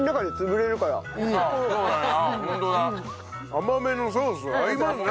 甘めのソース合いますね。